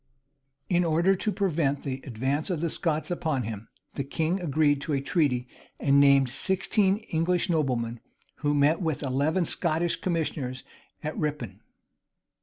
In order to prevent the advance of the Scots upon him, the king agreed to a treaty, and named sixteen English noblemen, who met with eleven Scottish commissioners at Rippon.